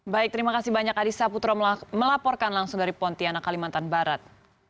baik terima kasih banyak adisa putro melaporkan langsung dari pontianak kalimantan barat